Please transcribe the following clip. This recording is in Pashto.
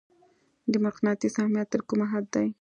د مقناطیس اهمیت تر کومه حده دی؟